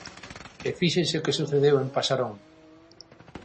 E fíxense o que sucedeu en Pasarón.